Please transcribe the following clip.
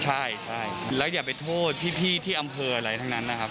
ใช่แล้วอย่าไปโทษพี่ที่อำเภออะไรทั้งนั้นนะครับ